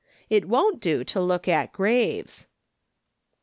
It don't do to look at graves."